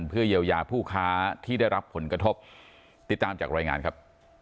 เพื่อเยียวยาผู้ค้าที่ได้รับผลกระทบติดตามจากรายงานครับ